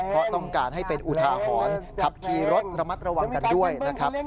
เพราะต้องการให้เป็นอุทาหรณ์ขับขี่รถระมัดระวังกันด้วยนะครับ